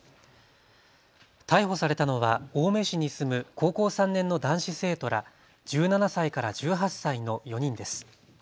逮捕されたのは青梅市に住む高校３年の男子生徒ら１７歳から１８歳の４人です。